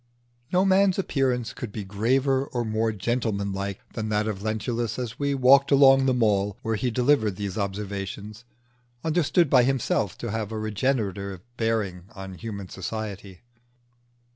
No man's appearance could be graver or more gentleman like than that of Lentulus as we walked along the Mall while he delivered these observations, understood by himself to have a regenerative bearing on human society.